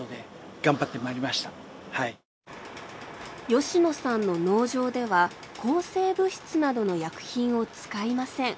吉野さんの農場では抗生物質などの薬品を使いません。